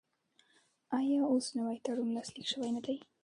آیا اوس نوی تړون لاسلیک شوی نه دی؟